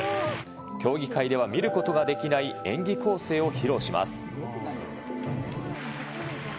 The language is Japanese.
競技会では見ることができない演技構成を披露します。